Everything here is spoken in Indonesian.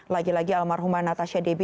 lagi lagi almarhumah natasha debbie